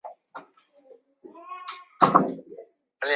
结合家族间的善与恶的对抗在布莱帝家族与帝梅拉家族之间。